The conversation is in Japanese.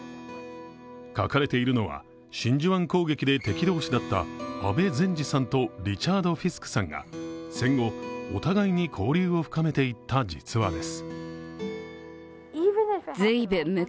書かれているのは、真珠湾攻撃で敵同士だった阿部善次さんとリチャード・フィスクさんが戦後、お互いに交流を深めていった実話です。